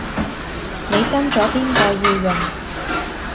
你跟咗邊個要用